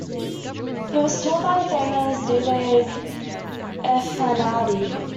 He was taught by the famous Dede Efendi.